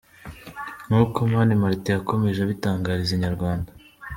Nk’uko Mani Martin yakomeje abitangariza inyarwanda.